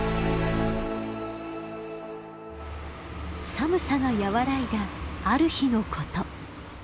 寒さが和らいだある日のこと。